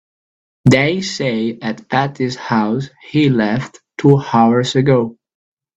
They say at Patti's house he left two hours ago.